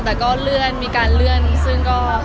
แต่ก็เลื่อนมีการเลื่อนซึ่งก็